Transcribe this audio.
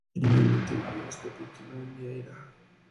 Finalmente Villegas capituló en Neira.